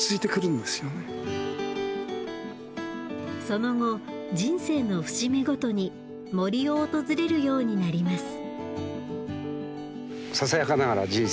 その後人生の節目ごとに森を訪れるようになります。